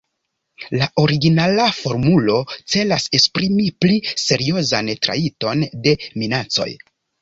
La originala formulo celas esprimi pli seriozan trajton de minacoj.